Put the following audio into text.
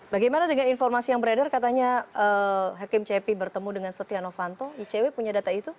bagaimana dengan informasi yang beredar katanya hakim cepi bertemu dengan setia novanto icw punya data itu